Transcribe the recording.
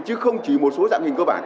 chứ không chỉ một số dạng hình cơ bản